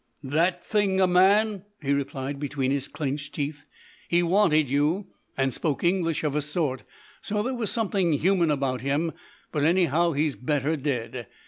"That thing a man!" he replied between his clenched teeth. "He wanted you, and spoke English of a sort, so there was something human about him, but anyhow he's better dead.